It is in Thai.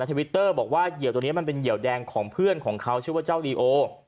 ทวิตเตอร์บอกว่าเหยื่อตัวนี้มันเป็นเหยื่อแดงของเพื่อนของเขาชื่อว่าเจ้าลีโอ